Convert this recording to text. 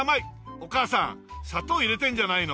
お母さん砂糖入れてんじゃないの？